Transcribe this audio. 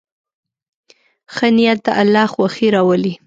ښه نیت د الله خوښي راولي.